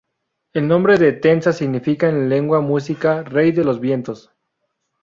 El nombre de Tenza significa en lengua muisca "Rey de los vientos".